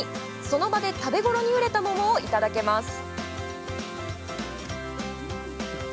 その場で食べ頃に熟れた桃をいただけます。